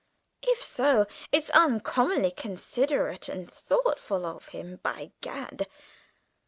If so, it's uncommonly considerate and thoughtful of him, by Gad.